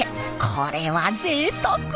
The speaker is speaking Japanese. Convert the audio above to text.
これはぜいたく。